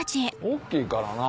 大っきいからな。